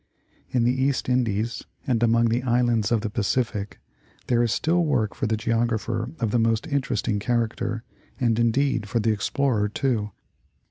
In the East Indies and among the islands of the Pacific there is still work for the Geographer of the most interesting character, and, indeed, for the explorer too.